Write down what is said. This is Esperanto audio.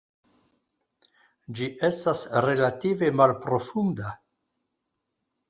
Ĝi estas relative malprofunda.